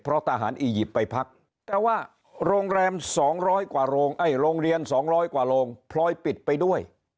เพราะทหารอียิปต์ไปพักแต่ว่าโรงเรียน๒๐๐กว่าโรงพล้อยปิดไปด้วย